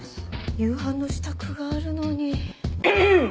夕飯の支度があるのに。